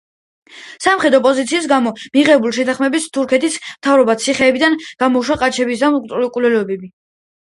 სამხედრო პოზიციის გამო მიღებული შეთანხმებით თურქეთის მთავრობამ ციხეებიდან გამოუშვა ყაჩაღები და მკვლელები.